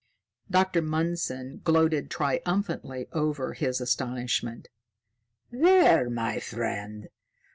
Dr. Mundson gloated triumphantly over his astonishment. "There, my friend.